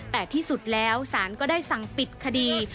แต่ที่สุดแล้วสารก็ได้สั่งปิดคดี